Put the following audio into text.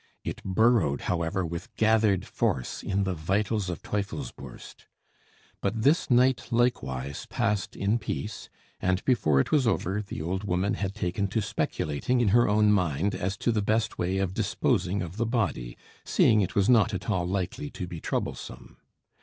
It burrowed, however, with gathered force in the vitals of Teufelsbürst. But this night likewise passed in peace; and before it was over, the old woman had taken to speculating in her own mind as to the best way of disposing of the body, seeing it was not at all likely to be troublesome.